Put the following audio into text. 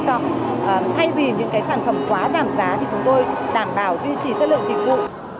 thay vì những cái sản phẩm quá giảm giá thì chúng tôi đảm bảo duy trì chất lượng dịch vụ